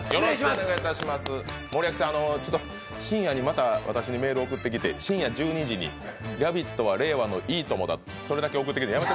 深夜にまた私にメール送ってきて、深夜１２時に「ラヴィット！」は「令和のいいとも」だ、それだけ送ってきて。